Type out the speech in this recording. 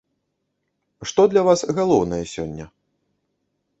Што для вас галоўнае сёння?